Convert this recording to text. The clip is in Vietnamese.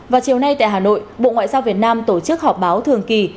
vào chiều nay tại hà nội bộ ngoại giao việt nam tổ chức họp báo thường kỳ